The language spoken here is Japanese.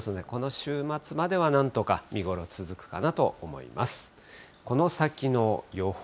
この週末までは、なんとか見頃、続くかなと思います。